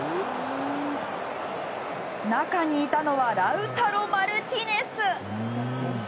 中にいたのはラウタロ・マルティネス。